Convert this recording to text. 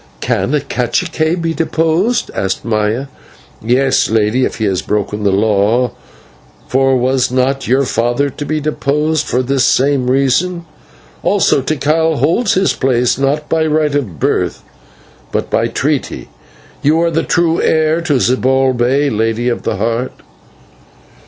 "Can a /cacique/ be deposed?" asked Maya. "Yes, lady, if he has broken the law, for was not your father to be deposed for this same reason? Also, Tikal holds his place, not by right of birth, but by treaty. You are the true heir to Zibalbay, Lady of the Heart."